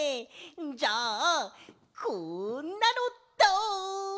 じゃあこんなのどう！？